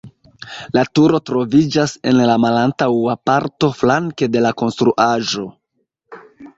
La turo troviĝas en la malantaŭa parto flanke de la konstruaĵo.